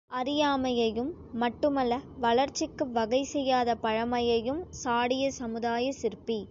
மடமையையும், அறியாமையையும், மட்டுமல்ல வளர்ச்சிக்கு வகை செய்யாத பழமையையும் சாடிய சமுதாய சிற்பி.